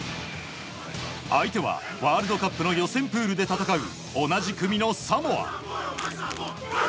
相手はワールドカップの予選プールで戦う同じ組のサモア。